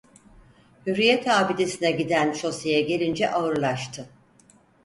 Hürriyet abidesine giden şoseye gelince ağırlaştı.